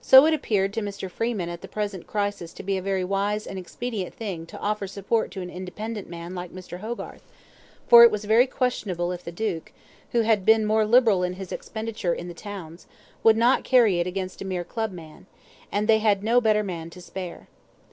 So it appeared to Mr. Freeman at the present crisis to be a very wise and expedient thing to offer support to an independent man like Mr. Hogarth, for it was very questionable if the duke, who had been more liberal in his expenditure in the towns, would not carry it against a mere club man, and they had no better man to spare.